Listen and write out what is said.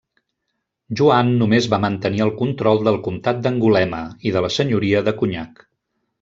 Joan només va mantenir el control del comtat d'Angulema i de la senyoria de Cognac.